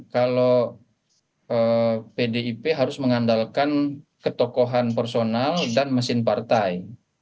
kalau pdip harus mengandalkan ketokohan personal dan mesin partai